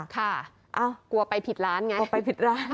กลัวไปผิดร้านไง